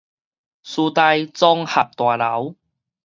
師大綜合大樓